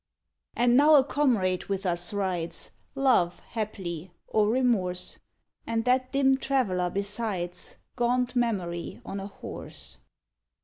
And now a comrade with us rides, Love, haply, or Remorse; And that dim traveler besides, Gaunt Memory on a horse.